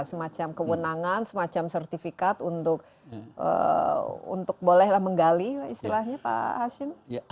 semacam kewenangan semacam sertifikat untuk bolehlah menggali istilahnya pak hashim